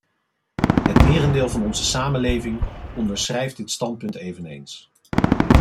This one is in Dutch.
Het merendeel van onze samenleving onderschrijft dit standpunt eveneens.